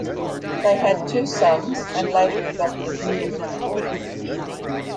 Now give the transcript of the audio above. They had two sons and later adopted a daughter.